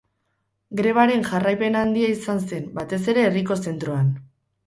Grebaren jarraipena handia izan zen, batez ere herriko zentroan.